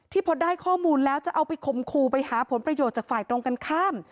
พอได้ข้อมูลแล้วจะเอาไปคมคู่ไปหาผลประโยชน์จากฝ่ายตรงกันข้าม